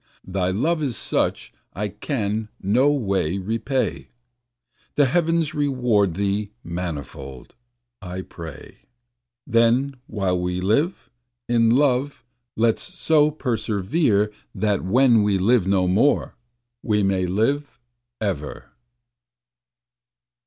Thy love is such I can no way repay, The heavens reward thee manifold, I pray. Then while we live, in love let's so perservere That when we live no more, we may live ever.